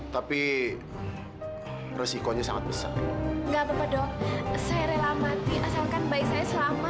tapi resikonya sangat besar enggak apa dok saya rela mati asalkan bayi saya selamat